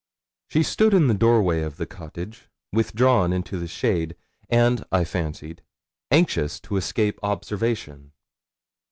She stood in the doorway of the cottage, withdrawn into the shade, and, I fancied, anxious to escape observation.